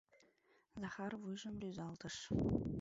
— Захар вуйжым рӱзалтыш.